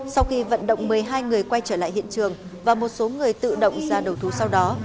sau khi vận động một mươi hai người quay trở lại hiện trường và một số người tự động ra đầu thú sau đó